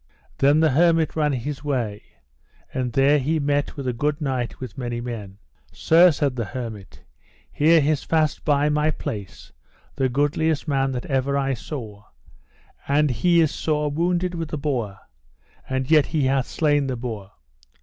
Then the hermit ran his way, and there he met with a good knight with many men. Sir, said the hermit, here is fast by my place the goodliest man that ever I saw, and he is sore wounded with a boar, and yet he hath slain the boar.